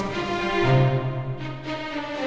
masuk malas ibu